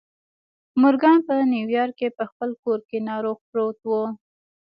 مورګان په نيويارک کې په خپل کور کې ناروغ پروت و.